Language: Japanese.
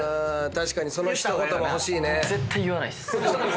確かにその一言が欲しいね。